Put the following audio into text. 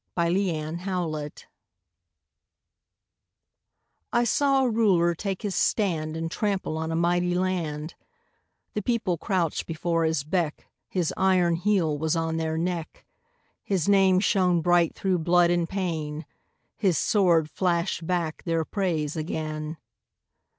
VERSE: THE THREE RULERS I saw a Ruler take his stand And trample on a mighty land; The People crouched before his beck, His iron heel was on their neck, His name shone bright through blood and pain, His sword flashed back their praise again.